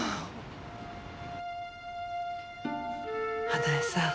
花絵さん。